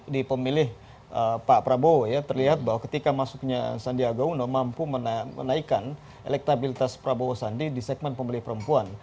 di pemilih pak prabowo ya terlihat bahwa ketika masuknya sandiaga uno mampu menaikkan elektabilitas prabowo sandi di segmen pemilih perempuan